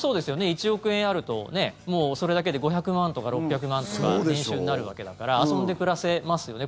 １億円あるともうそれだけで５００万とか６００万とか年収になるわけだから遊んで暮らせますよね。